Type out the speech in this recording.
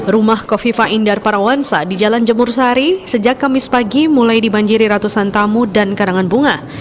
rumah kofifa indar parawansa di jalan jemur sari sejak kamis pagi mulai dibanjiri ratusan tamu dan karangan bunga